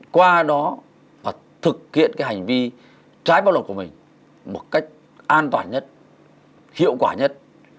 qua đó và thực hiện cái hành vi trái báo lộc của mình một cách an toàn nhất hiệu quả nhất